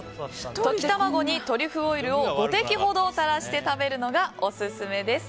溶き卵にトリュフオイルを５滴ほど垂らして食べるのがオススメです。